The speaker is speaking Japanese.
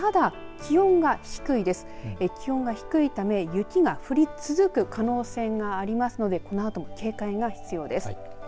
気温が低いため雪が降り続く可能性がありますのでこのあとも警戒が必要です。